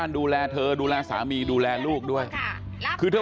มีคนเดียวปิดเลยเธอบอกโอ้โหนี่ใส่ใจคอทุกสิ่งทุกอย่างมันเหมือนกันหมด